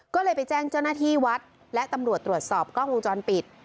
ก็เลยไปแจ้งเจ้าหน้าที่วัดและตำรวจตรวจสอบกล้องวงจรปิด